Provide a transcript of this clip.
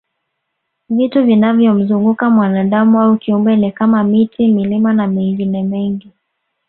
Vitu vinavyomzunguka mwanadam au kiumbe ni kama miti milima na mengine mengi